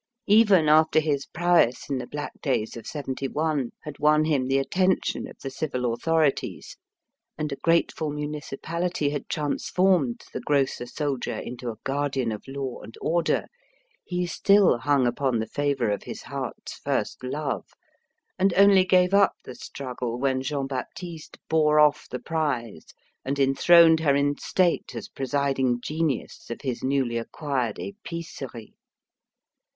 Even after his prowess in the black days of '71 had won him the attention of the civil authorities, and a grateful municipality had transformed the grocer soldier into a guardian of law and order, he still hung upon the favour of his heart's first love, and only gave up the struggle when Jean Baptiste bore off the prize and enthroned her in state as presiding genius of his newly acquired épicerie.